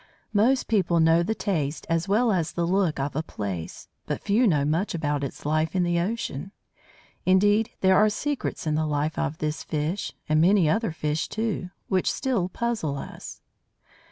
Most people know the taste, as well as the look, of a Plaice; but few know much about its life in the ocean. Indeed, there are secrets in the life of this fish, and many other fish too, which still puzzle us.